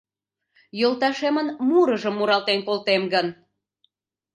Йолташемын мурыжым муралтен колтем гын